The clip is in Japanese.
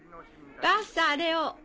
バーサあれを。